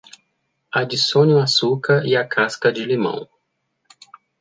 Adicione o açúcar e casca de limão.